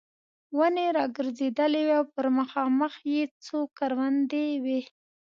ونې را ګرځېدلې وې او پر مخامخ یې څو کروندې وې.